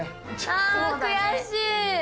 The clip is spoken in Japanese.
あ悔しい。